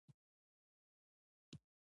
ټپي ته باید د ټپونو علاج وشي.